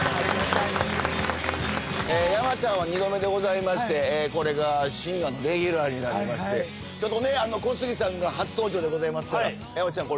山ちゃんは２度目でございましてこれが深夜のレギュラーになりましてちょっとね小杉さんが初登場でございますからはい山ちゃん